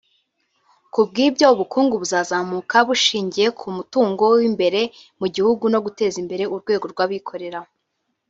Ku bw’ibyo ubukungu buzazamuka bushingiye ku mutungo w’imbere mu gihugu no guteza imbere urwego rw’abikorera